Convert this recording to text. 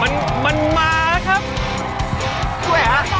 มันมานะครับ